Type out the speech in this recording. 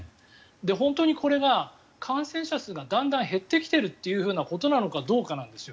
本当にこれが感染者数がだんだん減ってきているかどうかなんですよ。